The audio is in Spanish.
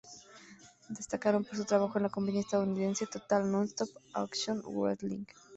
Destacaron por su trabajo en la compañía estadounidense "Total Nonstop Action Wrestling".